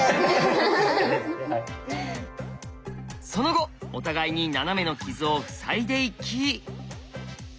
その後お互いにナナメの傷を塞いでいき。